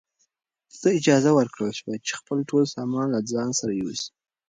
ده ته اجازه ورکړل شوه چې خپل ټول سامان له ځان سره یوسي.